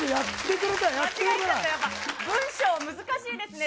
文章難しいですね。